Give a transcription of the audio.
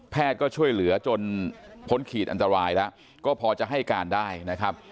ก็ช่วยเหลือจนพ้นขีดอันตรายแล้วก็พอจะให้การได้นะครับ